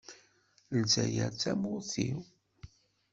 Lezzayer d tamurt-iw.